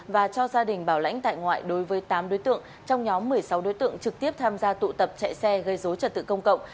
và cho gia đình bảo lãnh tại ngoại đối với tám đối tượng trong nhóm một mươi sáu đối tượng trực tiếp tham gia tụ tập chạy xe gây dối trật tự công cộng